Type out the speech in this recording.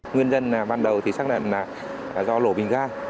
nguyên nhân ban đầu thì xác định là do lổ bình ga